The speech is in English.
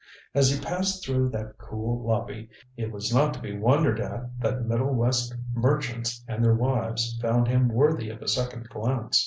As he passed through that cool lobby it was not to be wondered at that middle west merchants and their wives found him worthy of a second glance.